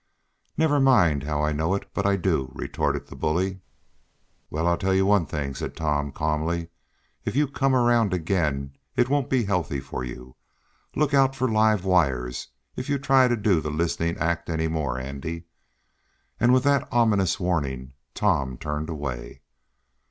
"Never mind how I know it, but I do," retorted the bully. "Well, I'll tell you one thing," said Tom calmly. "If you come around again it won't be healthy for you. Look out for live wires, if you try to do the listening act any more, Andy!" And with that ominous warning Tom turned away.